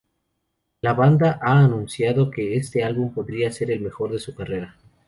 La banda ha anunciado que este álbum podría ser el mejor de su carrera.